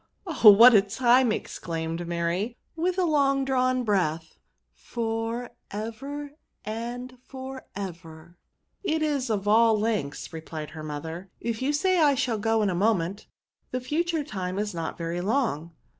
" Oh! what a time!" exelaimed Mary, with a long drawn breath ;'* for ever! and for ever!" It is of all lengths," replied her mother ;^^ if you say I shall go in a mom^it, the fu ture time is not very long."